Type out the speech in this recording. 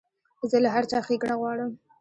زه له هر چا ښېګڼه غواړم.